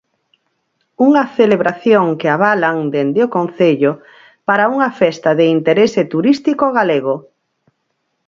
Unha celebración que avalan dende o concello para unha festa de interese turístico galego.